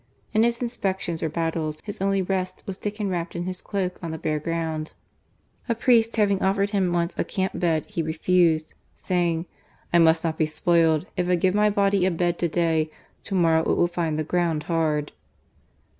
In his inspections or battles, his only rest was taken wrapped in his cloak on the bare ground. A priest having offered him once a THE MAN. 259 camp bed he refused, saying :" I must not be spoiled. If I give my body a bed to day, to morrow it will find the ground hard."